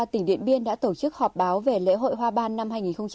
tỉnh điện biên đã tổ chức họp báo về lễ hội hoa ban năm hai nghìn một mươi sáu